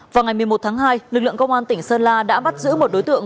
vào ngày một mươi một tháng hai lực lượng công an tỉnh sơn la đã bắt giữ một đối tượng